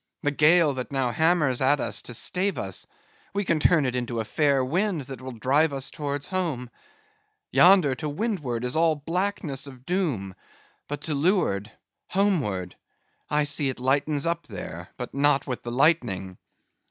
"The gale that now hammers at us to stave us, we can turn it into a fair wind that will drive us towards home. Yonder, to windward, all is blackness of doom; but to leeward, homeward—I see it lightens up there; but not with the lightning."